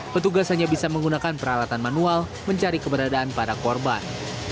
petugas hanya bisa menggunakan peralatan manual mencari keberadaan para korban